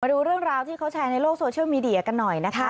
ดูเรื่องราวที่เขาแชร์ในโลกโซเชียลมีเดียกันหน่อยนะคะ